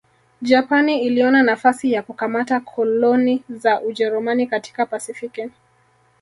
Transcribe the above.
Japani iliona nafasi ya kukamata koloni za Ujerumani katika Pasifiki